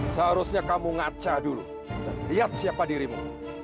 seharusnya kamu ngaca dulu dan lihat siapa dirimu